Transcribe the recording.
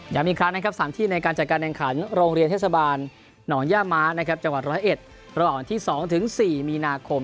อีกครั้งนะครับ๓ที่ในการจัดการแข่งขันโรงเรียนเทศบาลหนองย่าม้านะครับจังหวัด๑๐๑ระหว่างวันที่๒ถึง๔มีนาคม